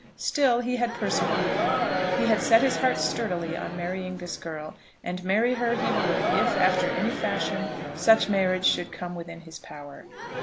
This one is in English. Still he had persevered. He had set his heart sturdily on marrying this girl, and marry her he would, if, after any fashion, such marriage should come within his power.